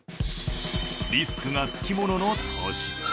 リスクがつきものの投資。